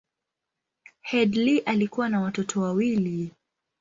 Headlee alikuwa na watoto wawili.